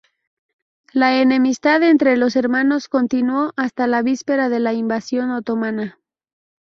La enemistad entre los hermanos continuó hasta la víspera de la invasión otomana.